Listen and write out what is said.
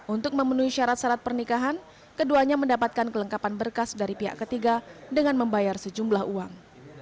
untuk memenuhi syarat syarat pernikahan keduanya mendapatkan kelengkapan berkas dari pihak ketiga dengan membayar sejumlah uang